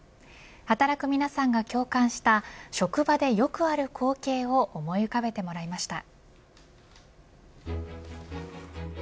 働く皆さんが共感した職場でよくある光景を思い浮かべてもらいました。